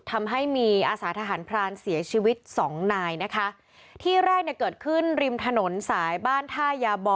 ทำให้มีอาสาทหารพรานเสียชีวิตสองนายนะคะที่แรกเนี่ยเกิดขึ้นริมถนนสายบ้านท่ายาบ่อ